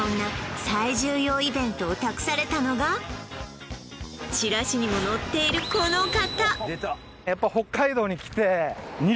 そんなチラシにも載っているこの方！